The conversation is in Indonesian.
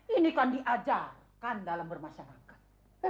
ini kan diajarkan dalam bermasyarakat